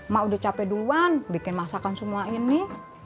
mah udah capek duluan bikin masakan semua ini